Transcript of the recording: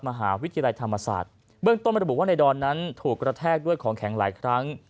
มหาวิทยาลัยธรรมศาสตร์เบื้องต้นระบุว่าในดอนนั้นถูกกระแทกด้วยของแข็งหลายครั้ง